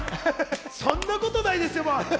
そんなことないですよ。